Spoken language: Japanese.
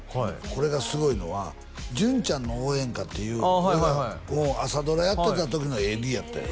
これがすごいのは「純ちゃんの応援歌」っていう俺が朝ドラやってた時のＡＤやったんよ